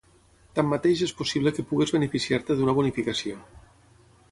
tanmateix és possible que puguis beneficiar-te d'una bonificació